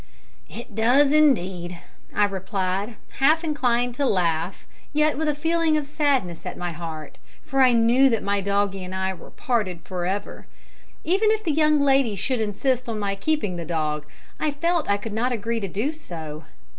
"It does, indeed," I replied, half inclined to laugh, yet with a feeling of sadness at my heart, for I knew that my doggie and I were parted for ever! Even if the young lady should insist on my keeping the dog, I felt that I could not agree to do so.